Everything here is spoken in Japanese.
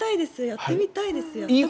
やってみたいです。